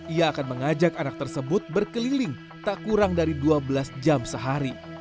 ia akan mengajak anak tersebut berkeliling tak kurang dari dua belas jam sehari